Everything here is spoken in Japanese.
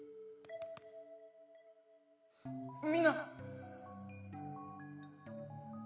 みんな。